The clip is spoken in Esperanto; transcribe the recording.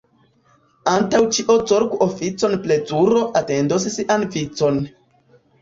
Antaŭ ĉio zorgu oficon — plezuro atendos sian vicon.